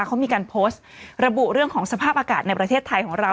เขามีการโพสต์ระบุเรื่องของสภาพอากาศในประเทศไทยของเรา